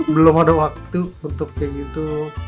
belum ada waktu untuk kayak gitu